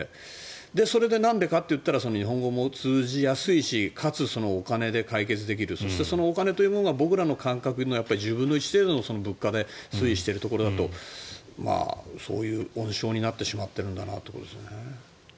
それでなんでかというと日本語も通じやすいしかつ、お金で解決できるそしてお金というものが僕らの感覚の１０分の１程度で推移しているところだとそういう温床になってしまってるんだなと。